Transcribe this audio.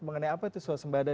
mengenai apa itu suasembada